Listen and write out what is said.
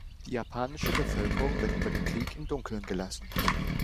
Die japanische Bevölkerung wird über den Krieg im Dunkeln gelassen.